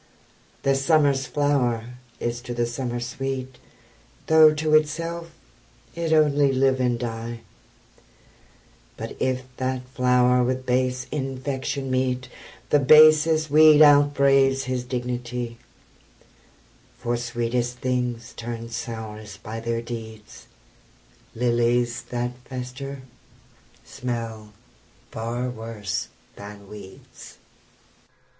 The summer's flower is to the summer sweet, Though to itself it only live and die, But if that flower with base infection meet, The basest weed out braves his dignity; For sweetest things turn sourest by their deeds; Lilies that fester smell far worse than weeds.